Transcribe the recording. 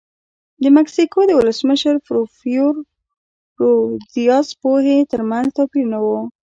د مکسیکو د ولسمشر پورفیرو دیاز پوهې ترمنځ توپیر نه و.